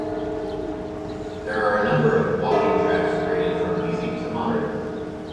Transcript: There are a number of walking tracks graded from easy to moderate.